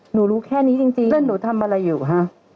หนูรู้แค่นี้จริงแล้วหนูทำอะไรอยู่คะ